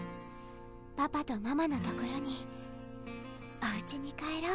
パパとママの所におうちに帰ろう？